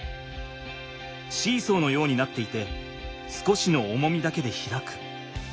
シーソーのようになっていて少しの重みだけで開く。